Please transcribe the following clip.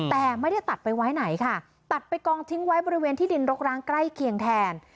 แต่ไม่ได้ตัดไปไว้ไหนค่ะตัดไปกองทิ้งไว้บริเวณที่ดินรกร้างใกล้เคียงแทน